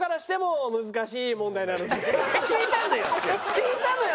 聞いたのよ！